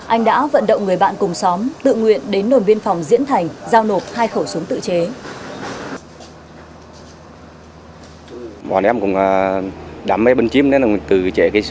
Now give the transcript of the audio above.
anh đã vận động người bạn cùng xóm tự nguyện đến nồn biên phòng diễn thành giao nộp hai khẩu súng tự chế